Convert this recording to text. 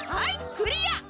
クリア！